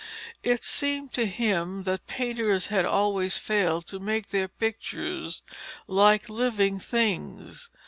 It seemed to him that painters had always failed to make their pictures like living things.